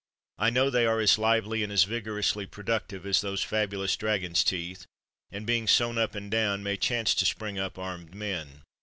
I know they are as lively, and as vigorously productive, as those fabulous drag on 's teeth; and being sown up and down, may chance to spring up armed men.